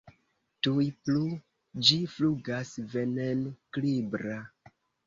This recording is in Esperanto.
Tuj plu ĝi flugas, venenkribra.